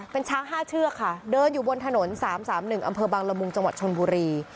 เป็นช้าง๕เชือกค่ะเดินอยู่บนถนน๓๓๑อำเภอบังละมุงจังหวัดชนบุรี